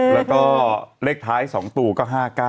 แล้วก็เลขท้าย๒ตัวก็๕๙